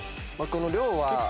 この量は。